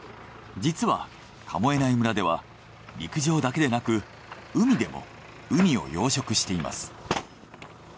実は神恵内村では陸上だけでなく海でもウニを養殖しています。